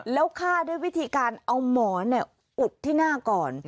แล้วฆ่าด้วยวิธีการเอาหมอนอุดที่หน้าก่อน